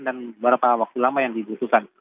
dan berapa waktu lama yang dibutuhkan